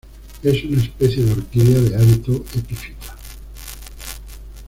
Es una especie de orquídea de hábito epifita.